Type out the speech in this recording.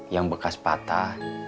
yang bekas patah